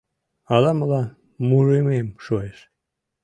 Ала-молан мурымем шуэш